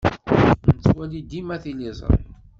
Nettwali dima tiliẓṛi.